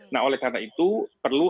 nah oleh karena itu perlu